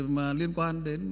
mà liên quan đến